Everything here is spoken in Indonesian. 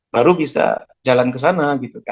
baru bisa jalan ke sana